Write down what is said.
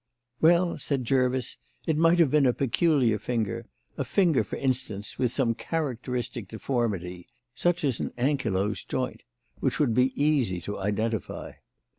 "Well," said Jervis, "it might have been a peculiar finger; a finger, for instance, with some characteristic deformity, such as an ankylosed joint, which would be easy to identify."